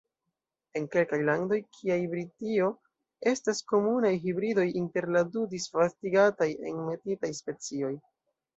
En kelkaj landoj, kiaj Britio, estas komunaj hibridoj inter la du disvastigataj Enmetitaj specioj.